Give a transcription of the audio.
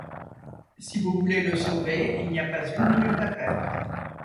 Si vous voulez le sauver, il n’y a pas une minute à perdre.